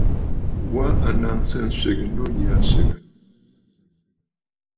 Wa a naŋsə nswegə nû yì aa swègə̀.